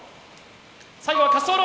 最後は滑走路！